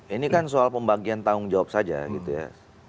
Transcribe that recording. ini kan soal pembagian tanggung jawab saja gitu ya